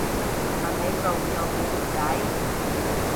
問你做唔做佢條仔